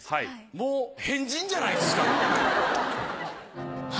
もう変人じゃないですか。